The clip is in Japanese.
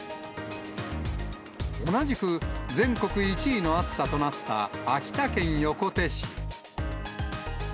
同じく全国１位の暑さとなった秋田県横手市。